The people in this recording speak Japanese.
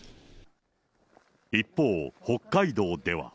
一方、北海道では。